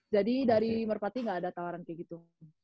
jadi dari merpati gak ada tawaran kayak gitu